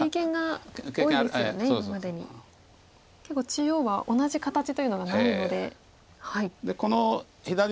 結構中央は同じ形というのがないので。